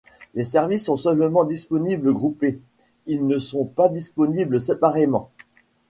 Les services sont seulement disponibles groupés; ils ne sont pas disponibles séparément.